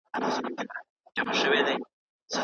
دولت مصارف په ګټورو ځایونو کي کوي.